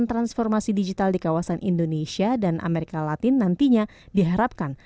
dan transformasi digital di kawasan indonesia dan amerika latin nantinya diharapkan